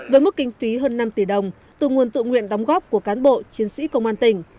với mức kinh phí hơn năm tỷ đồng từ nguồn tự nguyện đóng góp của cán bộ chiến sĩ công an tỉnh